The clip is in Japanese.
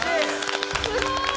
すごい！